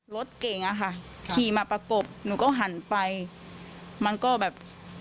รถเก่งอะค่ะขี่มาประกบหนูก็หันไปมันก็แบบ